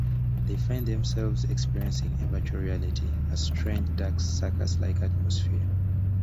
They find themselves experiencing a virtual reality, a strange, dark circus-like atmosphere.